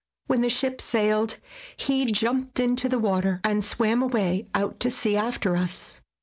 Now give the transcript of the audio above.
When the ship sailed he jumped into the water and swam away out to sea after us.